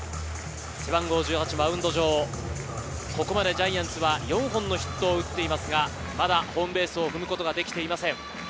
背番号１８がマウンド上、ここまでジャイアンツは４本のヒットを打っていますか、まだホームベースを踏むことができていません。